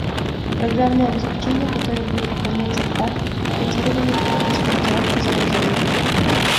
Программное обеспечение, которое будет выполнять захват, кодирование и транспортировку изображения